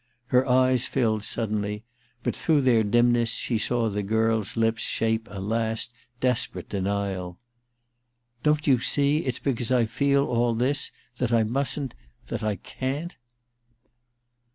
Her eyes filled suddenly, but through their dimness she saw the girl's lips shape a last desperate denial :* Don't you see it's because I feel all this that I mustn't — that I can't?'